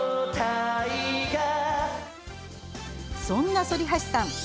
そんな反橋さん